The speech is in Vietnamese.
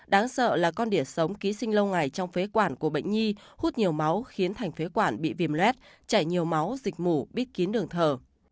đáng sợ là con đỉa sống ký sinh lâu ngày trong phế quản của bệnh nhi hút nhiều máu khiến thành phế quản bị viêm luet chảy nhiều máu dịch mủ bít kín đường thở